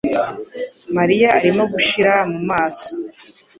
Mariya arimo gushira mu maso.